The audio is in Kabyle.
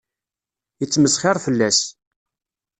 Yettmesxiṛ fell-as.